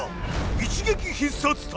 一撃必殺隊